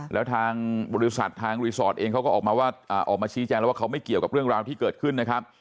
แล้วทางบริษัททางรีสอร์ทเองเขาก็ออกมาชี้แจงแล้วว่าเขาไม่เกี่ยวกับเรื่องราวที่เกิดขึ้นนะครับ